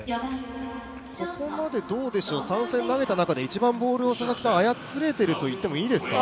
ここまで３戦投げた中で、一番ボールを操れていると言っていいですか。